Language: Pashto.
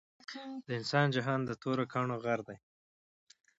د انسان جهان د تورو کانړو غر دے